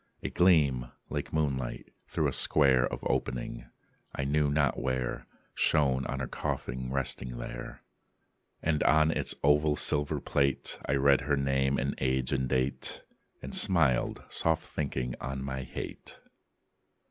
A gleam, like moonlight, through a square Of opening I knew not where Shone on her coffin resting there. And on its oval silver plate I read her name and age and date, And smiled, soft thinking on my hate.